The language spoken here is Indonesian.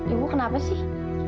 ibu kenapa sih